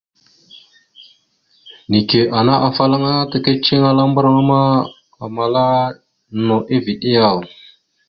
Neke ma, afalaŋa ana taka ceŋelara mbarŋa ma, amala no eveɗe yaw ?